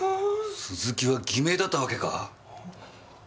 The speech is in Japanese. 鈴木は偽名だったわけか。